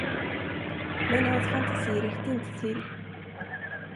Men hans fantasi räckte inte till.